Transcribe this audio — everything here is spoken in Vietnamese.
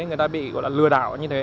người ta bị lừa đảo như thế